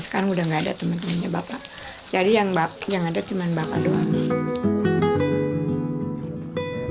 jadi yang ada cuma bapak doang